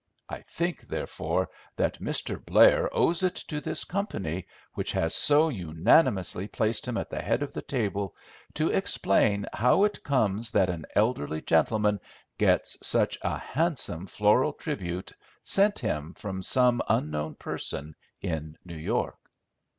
I think, therefore, that Mr. Blair owes it to this company, which has so unanimously placed him at the head of the table, to explain how it comes that an elderly gentleman gets such a handsome floral tribute sent him from some unknown person in New York."